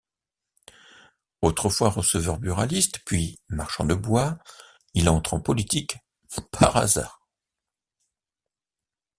Autrefois receveur buraliste puis marchand de bois, il entre en politique par hasard.